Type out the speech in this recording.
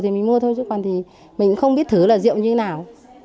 thì mình mua thôi chứ còn thì mình không biết thử là rượu như nào